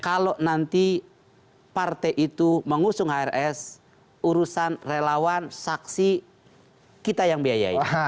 kalau nanti partai itu mengusung hrs urusan relawan saksi kita yang biayai